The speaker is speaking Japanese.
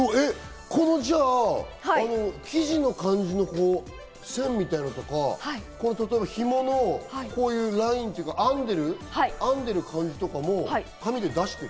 この生地の感じの線みたいなのとか、ひものこういうラインとか、編んでる感じとかも紙で出してる？